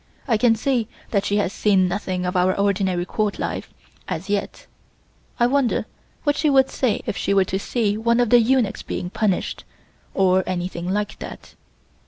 I can see that she has seen nothing of our ordinary Court life, as yet. I wonder what she would say if she were to see one of the eunuchs being punished, or anything like that.